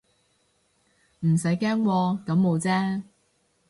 唔使驚喎，感冒啫